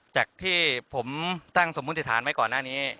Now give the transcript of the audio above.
จากที่ผมตั้งสมมุติฐานไว้ก่อนหน้านี้